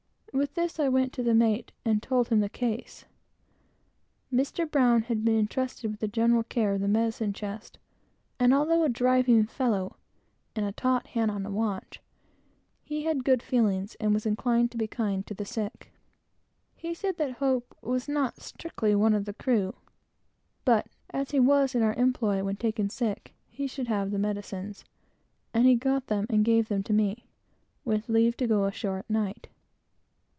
With this I went to the mate, and told him the case. Mr. Brown had been entrusted with the general care of the medicine chest, and although a driving fellow, and a taut hand in a watch, he had good feelings, and was always inclined to be kind to the sick. He said that Hope was not strictly one of the crew, but as he was in our employ when taken sick, he should have the medicines; and he got them and gave them to me, with leave to go ashore at night.